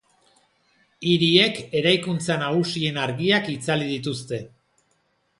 Hiriek eraikuntza nagusien argiak itzali dituzte.